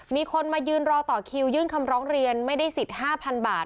มีคนมายืนรอต่อคิวยื่นคำร้องเรียนไม่ได้สิทธิ์๕๐๐บาท